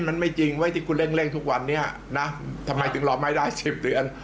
มันไม่จริงเว้ยที่คุณเร่งเร่งทุกวันนี้นะทำไมถึงรอไม่ได้๑๐เดือน